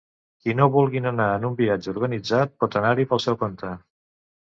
Qui no vulguin anar en un viatge organitzat pot anar-hi pel seu compte.